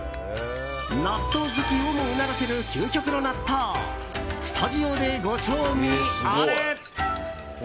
納豆好きをもうならせる究極の納豆スタジオで、ご賞味あれ！